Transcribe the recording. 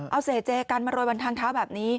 เอาเศษเจกันมาโรยบนทางเท้าแบบนี้